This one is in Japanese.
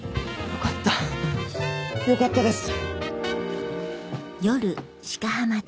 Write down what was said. よかったよかったです。